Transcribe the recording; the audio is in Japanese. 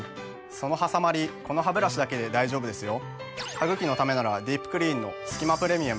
そのはさまりこのハブラシだけで大丈夫ですよ。